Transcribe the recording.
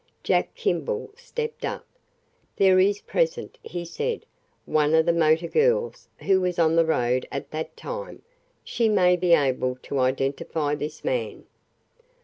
Jack Kimball stepped up. "There is present," he said, "one of the motor girls who was on the road at that time. She may be able to identify this man."